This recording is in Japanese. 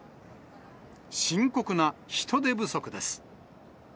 深刻な人手不足です。